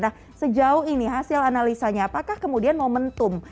nah sejauh ini hasil analisanya apakah kemudian momentum